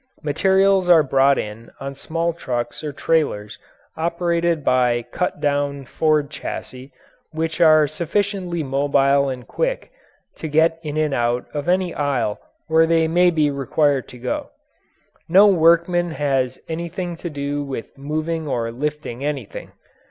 Materials are brought in on small trucks or trailers operated by cut down Ford chassis, which are sufficiently mobile and quick to get in and out of any aisle where they may be required to go. No workman has anything to do with moving or lifting anything.